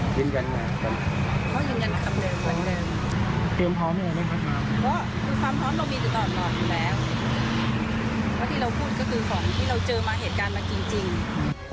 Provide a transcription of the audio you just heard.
สวัสดีครับ